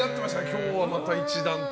今日はまた一段と。